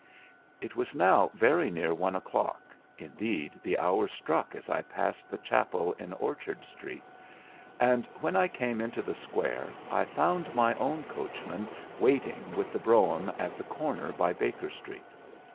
It was now very near one o'clock, indeed the hour struck as I passed the chapel in Orchard Street; and when I came into the square I found my own coachman waiting with the brougham at the corner by Baker Street.